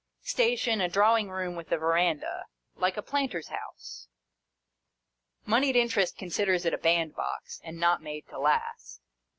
Station, a drawing room with a verandah : like a planter's house. Mouied Interest considers it a bandbox, and not made to last.